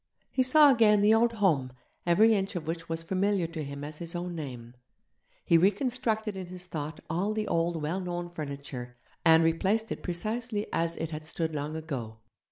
He saw again the old home, every inch of which was familiar to him as his own name; he reconstructed in his thought all the old well known furniture, and replaced it precisely as it had stood long ago.